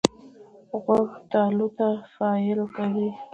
غوږ تالو ته پایل کوي.